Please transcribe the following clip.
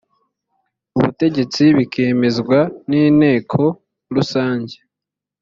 ubutegetsi bikemezwa n inteko rusange